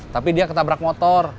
tapi dia ketabrak motor